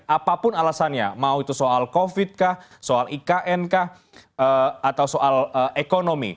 apapun alasannya mau itu soal covid kah soal ikn kah atau soal ekonomi